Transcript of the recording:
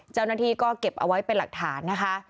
เจ้าหน้าที่ก็เก็บเอาไว้เป็นหลักฐานนะคะ